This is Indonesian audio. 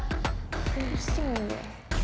terus juga ya